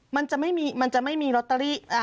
มันจะไม่มีลอตเตอรี่